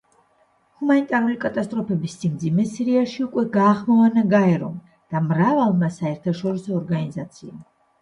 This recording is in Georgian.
ჰუმანიტარული კატასტროფის სიმძიმე სირიაში უკვე გაახმოვანა გაერომ და მრავალმა საერთაშორისო ორგანიზაციამ.